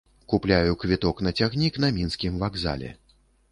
Купляю квіток на цягнік на мінскім вакзале.